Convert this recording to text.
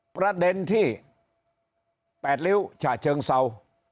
ประเด็นที่๘ริ้วฉะเชิงเศร้า